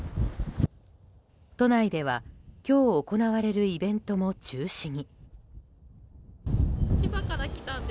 都内では今日行われるイベントも中止に。